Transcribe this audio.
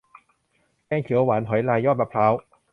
แกงเขียวหวานหอยลายยอดมะพร้าว